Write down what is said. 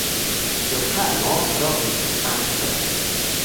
Johano dormis ankoraŭ.